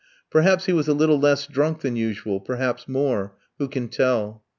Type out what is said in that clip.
Perhaps he was a little less drunk than usual, perhaps more; who can tell?